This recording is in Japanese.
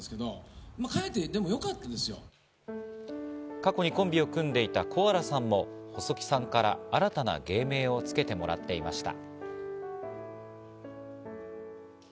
過去にコンビを組んでいたコアラさんも細木さんから新たな芸名をつけてもらっていました。